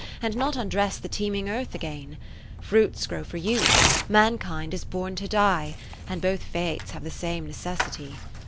And not undress the teeming Earth again ? Fruits grow for use, mankind is born to die ; And both fates have the same neces sity.